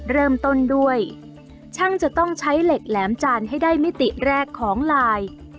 เริ่มต้นด้วยช่างจะต้องใช้เหล็กแหลมจานให้ได้มิติแรกของลาย